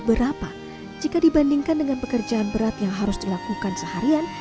berapa jika dibandingkan dengan pekerjaan berat yang harus dilakukan seharian